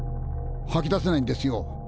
はき出せないんですよ。